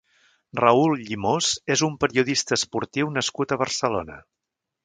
Raül Llimós és un periodista esportiu nascut a Barcelona.